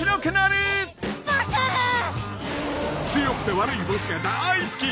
［強くて悪いボスが大好き！